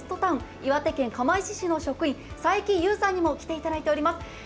岩手県釜石市の職員佐伯さんにもきていただいています。